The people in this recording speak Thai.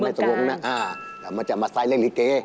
เมืองกาลนะมันจะมาใส่เล่นลิเก